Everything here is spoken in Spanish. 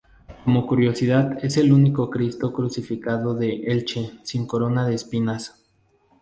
Como curiosidad es el único cristo crucificado de Elche sin corona de espinas.